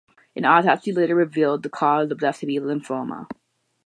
An autopsy later revealed the cause of death to be lymphoma.